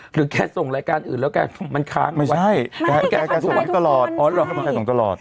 หรือแกส่งรายการอื่นแล้วแกมันค้างไม่ใช่แกส่งทุกวันทุกวันไม่ใช่แกส่งทุกวันทุกวันใช่